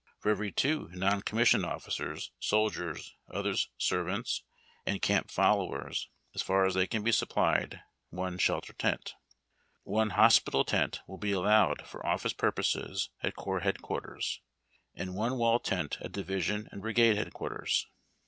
For every two non commissioned officers, soldiers, officers' servants, and camp folloAvers, as far as they can be supplied, one shelter tent. One hosijital tent will be allowed for office purposes at Corps Head Quai'ters, and one wall tent at Division and Brigalle Head Quarters.